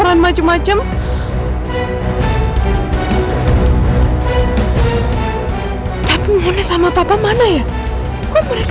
papa maafin clara ya pak